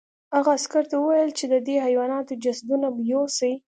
هغه عسکر ته وویل چې د دې حیواناتو جسدونه یوسي